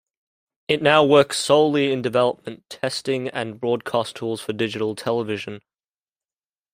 It now works solely in development, testing, and broadcast tools for digital television.